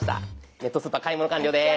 ネットスーパー買い物完了です。